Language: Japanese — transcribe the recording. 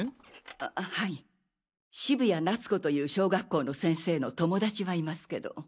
あはい渋谷夏子という小学校の先生の友達はいますけど。